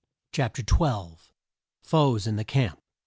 CHAPTER XII. FOES IN THE CAMP.